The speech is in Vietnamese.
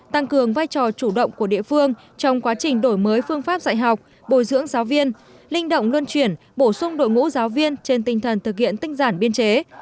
tăng cường vai trò chủ động của địa phương trong quá trình đổi mới phương pháp dạy học bồi dưỡng giáo viên linh động luân chuyển bổ sung đội ngũ giáo viên trên tinh thần thực hiện tinh giản biên chế